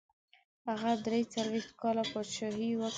هغه دري څلوېښت کاله پاچهي وکړه.